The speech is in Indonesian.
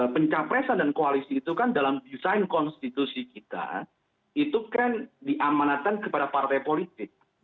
pencapresan dan koalisi itu kan dalam desain konstitusi kita itu kan diamanatkan kepada partai politik